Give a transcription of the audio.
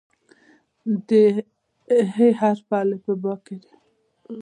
د "ح" حرف په الفبا کې دی.